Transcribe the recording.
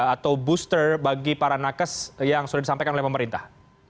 atau booster bagi para nakes yang sudah disampaikan oleh pemerintah